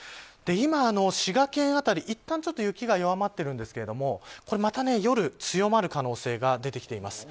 今、滋賀県辺り、いったん雪が弱まっているんですがこれ、また夜に強まる可能性が出てきています。